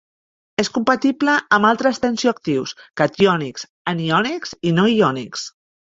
És compatible amb altres tensioactius catiònics, aniònics i no iònics.